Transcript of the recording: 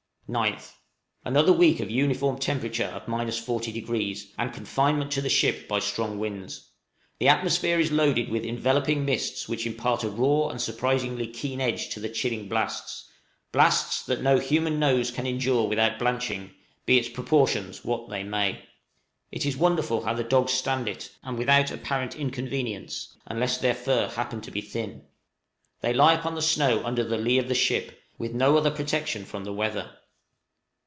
{INTENSE COLD.} 9th. Another week of uniform temperature of 40°, and confinement to the ship by strong winds; the atmosphere is loaded with enveloping mists which impart a raw and surprisingly keen edge to the chilling blasts, blasts that no human nose can endure without blanching, be its proportions what they may. It is wonderful how the dogs stand it, and without apparent inconvenience, unless their fur happen to be thin. They lie upon the snow under the lee of the ship, with no other protection from the weather.